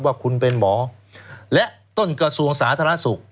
ว่าคุณเป็นหมอและต้นกระทรวงสาธารณสุข